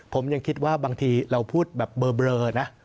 ผมยังคิดว่าบางทีเราพูดแบบเบลอนะ